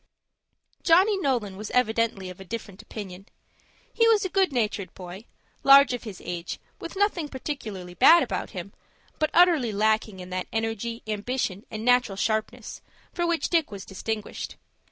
Johnny Nolan was evidently of a different opinion. He was a good natured boy, large of his age, with nothing particularly bad about him, but utterly lacking in that energy, ambition, and natural sharpness, for which Dick was distinguished.